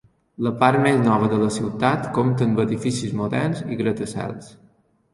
La part més nova de la ciutat compta amb edificis moderns i gratacels.